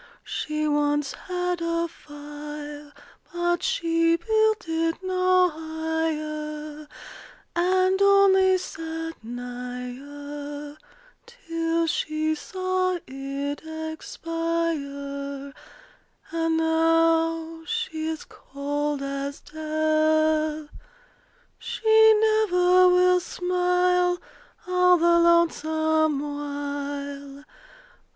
She once had a fire; But she built it no higher, And only sat nigher Till she saw it expire; And now she is cold as death. She never will smile All the lonesome while.